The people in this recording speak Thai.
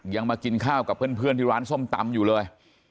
มากินข้าวกับเพื่อนที่ร้านส้มตำอยู่เลย